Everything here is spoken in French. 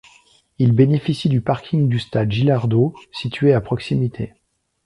Il bénéficie du parking du stade Gillardeaux, situé à proximité.